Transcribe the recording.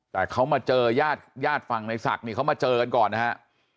แต่เขามาเจอญาติฝั่งในศักดิ์เขามาเจอกันก่อนนะครับ